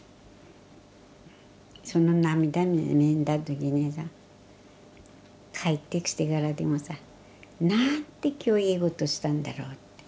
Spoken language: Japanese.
その涙見た時にさ帰ってきてからでもさなんて今日いいことしたんだろうって。